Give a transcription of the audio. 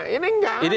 ini tidak ada